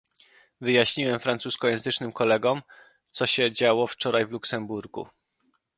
Wyjaśniłem francuskojęzycznym kolegom, co się działo wczoraj w Luksemburgu